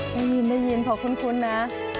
ได้ยินได้ยินขอบคุณคุณนะ